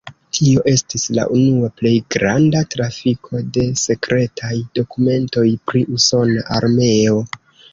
Tio estis la unua plej granda trafiko de sekretaj dokumentoj pri usona armeo.